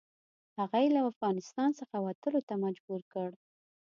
هغه یې له افغانستان څخه وتلو ته مجبور کړ.